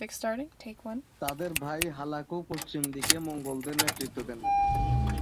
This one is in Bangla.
তাদের ভাই হালাকু পশ্চিম দিকে মঙ্গোলদের নেতৃত্ব দেন।